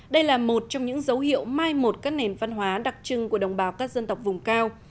đây là một trong những dấu hiệu mai một các nền văn hóa đặc trưng của đồng bào các dân tộc vùng cao